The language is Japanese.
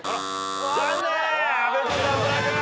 残念！